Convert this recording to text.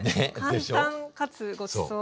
簡単かつごちそう。